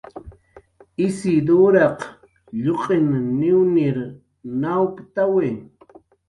Isiduraq lluq'in niwnir nawptawi